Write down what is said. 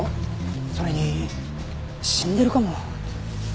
それに死んでるかも。